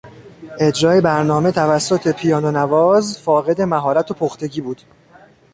اجرای برنامه توسط پیانو نواز فاقد مهارت و پختگی بود.